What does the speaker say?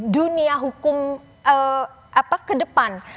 dunia hukum ke depan